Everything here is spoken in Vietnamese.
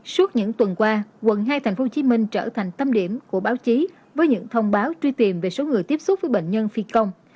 suốt những tuần qua quận hai thành phố hồ chí minh trở thành tâm điểm của báo chí với những thông báo truy tìm về số người tiếp xúc với bệnh nhân phi công